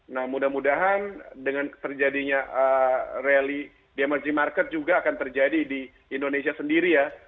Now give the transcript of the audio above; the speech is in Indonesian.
nah mudah mudahan dengan terjadinya rally di emerging market juga akan terjadi di indonesia sendiri ya